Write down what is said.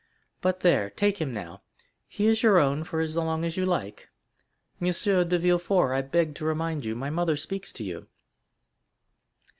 But there—now take him—he is your own for as long as you like. M. Villefort, I beg to remind you my mother speaks to you."